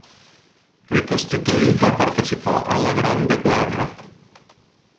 Ricostituita, partecipò alla Grande Guerra.